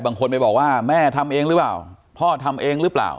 บางคนไปบอกว่าแม่ทำเองหรือเปล่าพ่อทำเองหรือเปล่า